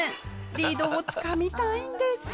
リードをつかみたいんです。